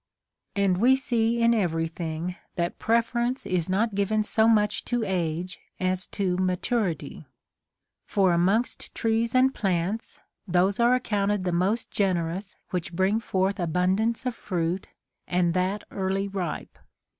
* And we see in every thing that preference is not given so much to age as to maturity. For amongst trees and plants, those are accounted the most generous which bring forth abundance of fruit, and that early ripe.